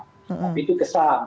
tapi itu kesan